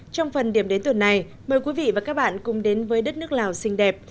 trong phần điểm đến tuần này mời quý vị và các bạn cùng đến với đất nước lào xinh đẹp